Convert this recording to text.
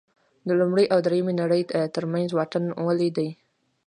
د لومړۍ او درېیمې نړۍ ترمنځ واټن ولې دی.